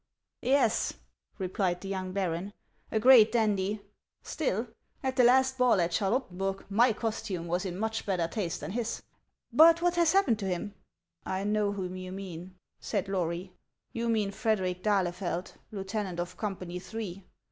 " Yes," replied the young baron, " a great dandy ! Still, at the last ball at Charlottenburg my costume was in much better taste than his. But what has happened to him ?" '•1 know whom you mean," said Lory; "you mean Frederic d'Ahlefeld, lieutenant of Company Three.